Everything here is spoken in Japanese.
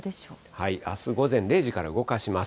あす午前０時から動かします。